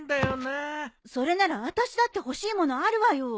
それならあたしだって欲しい物あるわよ。